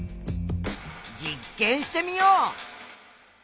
実験してみよう。